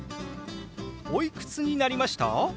おいくつになりました？